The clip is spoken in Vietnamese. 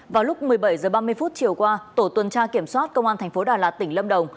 vào lúc một mươi bảy h ba mươi chiều qua tổ tuần tra kiểm soát công an thành phố đà lạt tỉnh lâm đồng